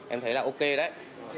em thấy là ok đấy